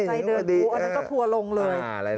ไส้เดือนกรูอันนั้นก็ครัวลงเลย